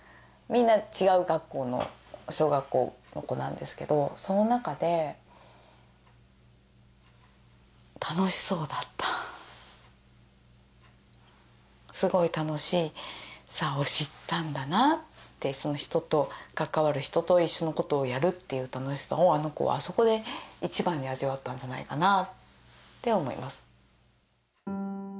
みんな違う学校の小学校の子なんですけどその中で楽しそうだったすごい楽しさを知ったんだなってその人と関わる人と一緒のことをやるっていう楽しさをあの子はあそこで一番に味わったんじゃないかなって思います